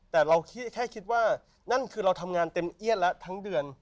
แต่เราแค่คิดว่านั่นคือเราทำงานเต็มเอี้ยนแล้วทั้งเดือน